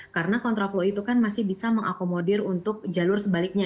karena kontraflow itu kan masih bisa mengakomodir untuk jalur sebaliknya